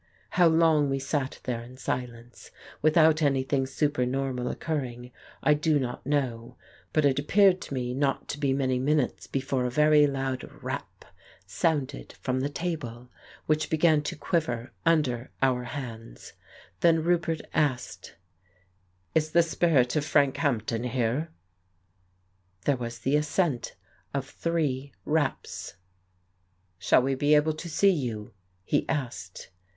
How long we sat there in silence, with out anything supernormal occurring, I do not know, but it appeared to me not to be many minutes before a very loud rap sounded from the table, which began to quiver under our hands. Then Roupert asked : "Is the spirit of Frank Hampden here? " There was the assent of three raps. "Shall we be able to see you?" he asked.